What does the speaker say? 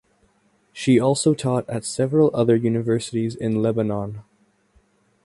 She also taught at several other universities in Lebanon.